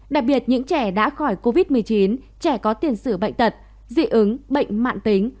đặc biệt những trẻ đã khỏi covid một mươi chín trẻ có tiền sử bệnh tật dị ứng bệnh mạng tính